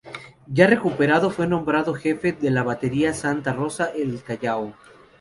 Ya recuperado, fue nombrado jefe de la Batería Santa Rosa del Callao.